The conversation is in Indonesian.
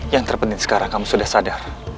yang terpenting sekarang kamu sudah sadar